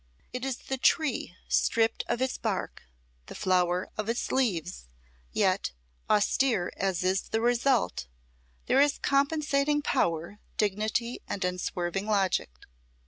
It is the tree stripped of its bark, the flower of its leaves, yet, austere as is the result, there is compensating power, dignity and unswerving logic.